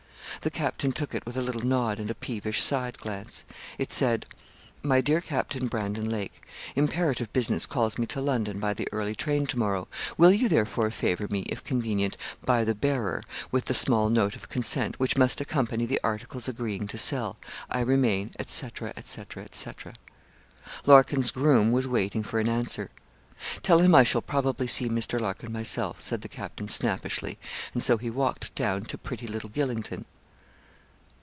The captain took it with a little nod, and a peevish side glance. It said 'MY DEAR CAPTAIN BRANDON LAKE, Imperative business calls me to London by the early train to morrow. Will you therefore favour me, if convenient, by the bearer, with the small note of consent, which must accompany the articles agreeing to sell. 'I remain, &c. &c. &c.' Larkin's groom was waiting for an answer. 'Tell him I shall probably see Mr. Larkin myself,' said the captain, snappishly; and so he walked down to pretty little Gylingden.